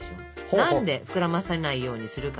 何で膨らませないようにするか？